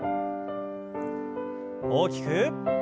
大きく。